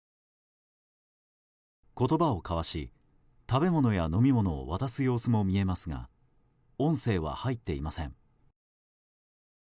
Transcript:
言葉を交わし、食べ物や飲み物を渡す様子も見えますが音声は入っていません。